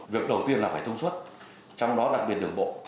việc đầu tiên là phải thông suốt trong đó đặc biệt đường bộ